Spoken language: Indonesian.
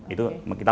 itu kita menggunakan